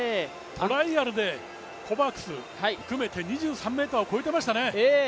トライアルでコバクス含めて２３ｍ越えてましたね。